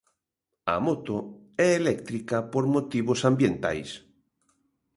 A moto é eléctrica por motivos ambientais.